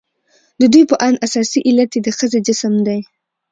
د ددوى په اند اساسي علت يې د ښځې جسم دى.